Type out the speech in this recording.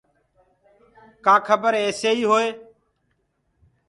ڪآ کبر ايسيئيٚ هوئي